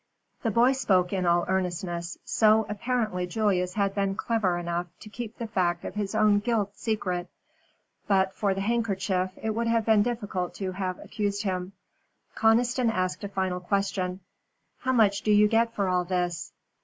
The boy spoke in all earnestness, so apparently Julius had been clever enough to keep the fact of his own guilt secret. But for the handkerchief it would have been difficult to have accused him. Conniston asked a final question. "How much do you get for all this?"